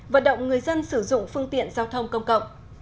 vận động người dân sử dụng phương tiện giao thông công cộng